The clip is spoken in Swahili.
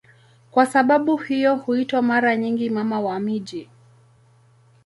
Kwa sababu hiyo huitwa mara nyingi "Mama wa miji".